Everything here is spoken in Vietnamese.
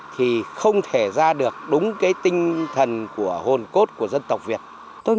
thì không thể ra được đúng cái tinh thần của hồn cốt của dân tộc việt